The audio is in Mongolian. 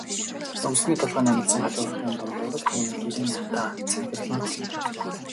Өвсний толгой намилзан халиурахын дундуур түүний гэрийн утаа цэнхэрлэн холдоно.